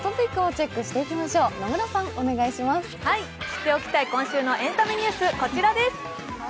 知っておきたい今週のエンタメニュース、こちらです。